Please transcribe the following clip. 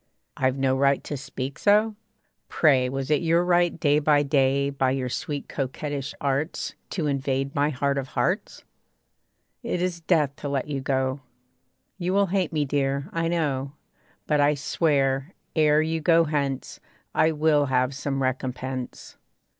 'I've no right to speak so?' Pray Was it your right day by day By your sweet coquettish arts To invade my heart of hearts? It is death to let you go. You will hate me, dear, I know; But I swear, ere you go hence, I will have some recompense.